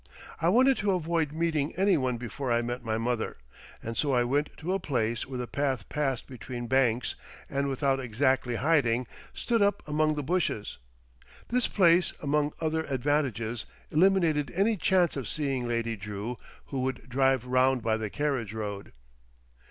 I wanted to avoid meeting any one before I met my mother, and so I went to a place where the path passed between banks, and without exactly hiding, stood up among the bushes. This place among other advantages eliminated any chance of seeing Lady Drew, who would drive round by the carriage road.